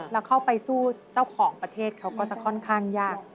แล้วเข้าไปสู้เจ้าของประเทศเขาก็จะค่อนข้างยาก